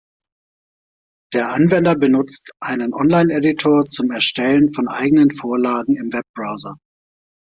Der Anwender benutzt einen Online-Editor zum Erstellen von eigenen Vorlagen im Webbrowser.